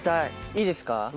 いいですか？